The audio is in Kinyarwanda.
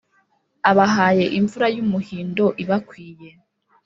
abahaye imvura y’umuhindo ibakwiye,